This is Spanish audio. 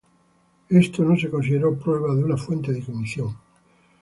Esto no se consideró "prueba" de una fuente de ignición.